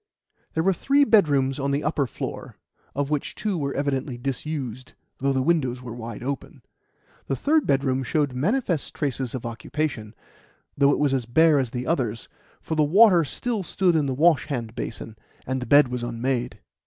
There were three bedrooms on the upper floor, of which two were evidently disused, though the windows were wide open. The third bedroom showed manifest traces of occupation, though it was as bare as the others, for the water still stood in the wash hand basin, and the bed was unmade.